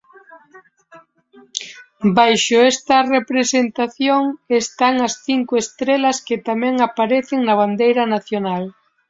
Baixo esta representación están as cinco estrelas que tamén aparecen na bandeira nacional.